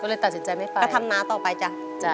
เลยตัดสินใจไม่ไปก็ทำน้าต่อไปจ้ะ